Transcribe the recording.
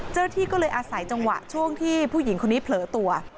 เจ้าหน้าที่ก็เลยอาศัยจังหวะช่วงที่ผู้หญิงคนนี้เผลอตัว